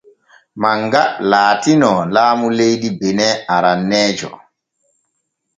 Manga laatino laamu leydi benin aranneejo.